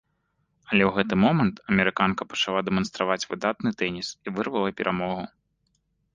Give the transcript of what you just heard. Але ў гэты момант амерыканка пачала дэманстраваць выдатны тэніс і вырвала перамогу.